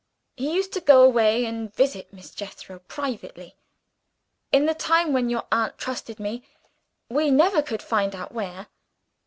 He used to go away and visit Miss Jethro privately. In the time when your aunt trusted me, we never could find out where.